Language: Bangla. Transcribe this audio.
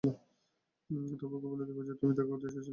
তবে ওকে বলে দেবো যে, তুমি দেখা করতে এসেছিলে।